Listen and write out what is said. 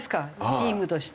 チームとして。